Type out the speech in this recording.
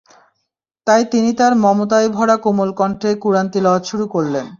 তাই তিনি তাঁর মমতায় ভরা কোমল কণ্ঠে কুরআন তিলাওয়াত শুরু করলেন।